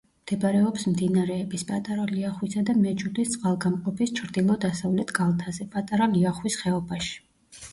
მდებარეობს მდინარეების პატარა ლიახვისა და მეჯუდის წყალგამყოფის ჩრდილო-დასავლეთ კალთაზე, პატარა ლიახვის ხეობაში.